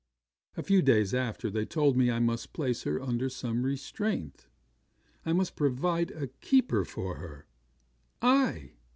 A few days after, they told me I must place her under some restraint: I must provide a keeper for her. I!